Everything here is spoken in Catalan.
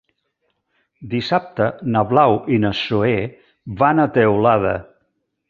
Dissabte na Blau i na Zoè van a Teulada.